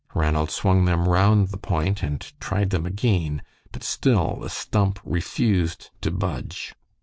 Ranald swung them round the point and tried them again, but still the stump refused to budge.